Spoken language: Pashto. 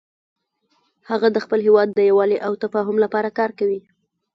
هغه د خپل هیواد د یووالي او تفاهم لپاره کار کوي